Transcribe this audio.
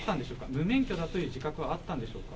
無免許だという自覚はあったんでしょうか。